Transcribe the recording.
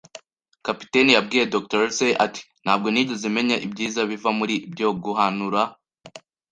Kapiteni yabwiye Dr. Livesey ati: "Ntabwo nigeze menya ibyiza biva muri byo." “Guhanura